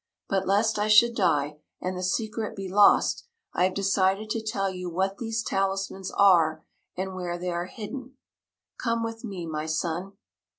But, lest I should die and the secret be lost, I have decided to tell you what these talismans are and where they are hidden. Come with me, my son."